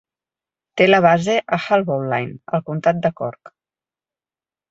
Té la base a Haulbowline, al comtat de Cork.